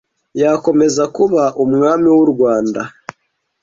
yakomeza kuba Umwami w’u Rwanda